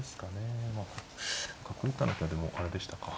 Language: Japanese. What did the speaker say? まあ角打たなきゃでもあれでしたか。